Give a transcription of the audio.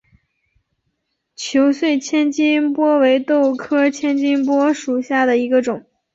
球穗千斤拔为豆科千斤拔属下的一个种。